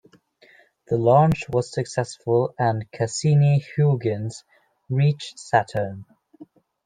The launch was successful and "Cassini-Huygens" reached Saturn.